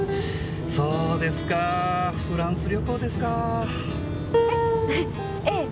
そうですかフランス旅行ですか。え！？えぇ。